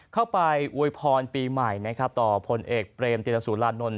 เข้าไปอวยพรปีใหม่นะครับต่อพลเอกเปรมติรสุรานนท์